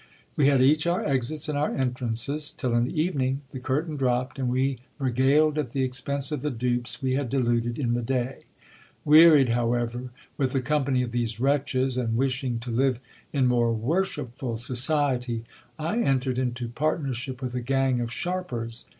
We had each our exits and our entrances ; till in the evening the curtain dropped, and we regaled at the expense of the dupes we had deluded in the day. Wearied, however, with the company of these wretches, and wishing to live in more worshipful society, I entered into partnership with a gang of sharpers.